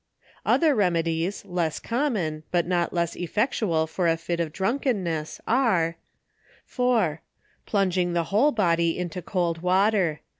Other remedies, less common, but not less effectual for a fit of drunkenness, are, 04 ON THE EFFECTS OF 4. Plunging the whole body into cold water.